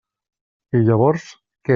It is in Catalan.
I llavors, què?